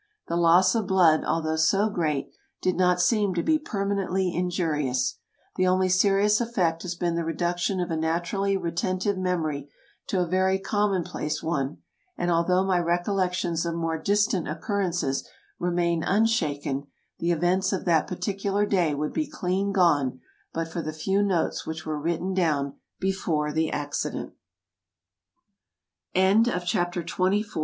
The loss of blood, although so great, did not seem to be permanently injurious. The only serious effect has been the reduction of a naturally retentive memory to a very commonplace one; and although my recollections of more distant occurrences remain un shaken, the events of that particular day would be clean gone but for the few notes which were written down before the accide